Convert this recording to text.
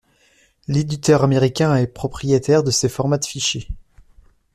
l'éditeur américain est propriétaire de ses formats de fichier.